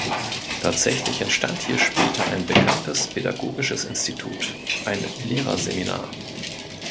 Tatsächlich entstand hier später ein bekanntes Pädagogisches Institut, ein Lehrerseminar.